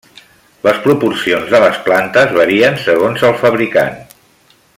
Les proporcions de les plantes varien segons el fabricant.